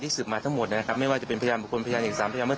ทิศือบมาทั้งหมดนะครับไม่ว่าจะเป็นพยาน๑คนพยาน๓พยาน๕พยาน